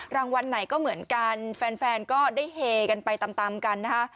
รางวัลไหนก็เหมือนกันแฟนก็ได้เฮกันไปตามตามกันนะคะ